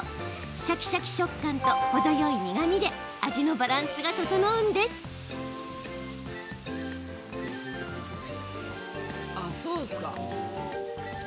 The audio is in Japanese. シャキシャキ食感と程よい苦みで味のバランスが調うんです。